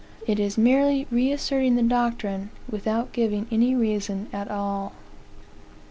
It is merely reasserting the doctrine, without giving any reason at all.